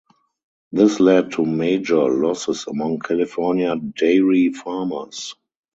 This led to major losses among California dairy farmers.